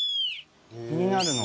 気になるの？